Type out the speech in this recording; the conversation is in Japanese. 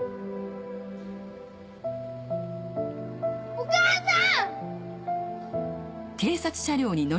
お母さん！